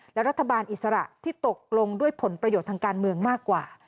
และรัฐบาลอิสระที่ตกลงด้วยผลประโยชน์ทางการเมืองมากกว่า